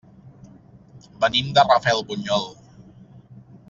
Venim de Rafelbunyol.